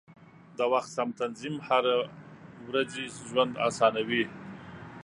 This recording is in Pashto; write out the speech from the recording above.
د وخت سم تنظیم هره ورځي ژوند اسانوي.